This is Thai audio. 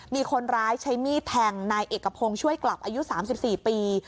มีคนร้ายใช้มีดแทงนายเอกพงศ์ช่วยกลับอายุ๓๔ปี